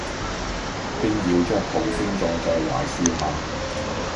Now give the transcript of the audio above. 便搖著蒲扇坐在槐樹下，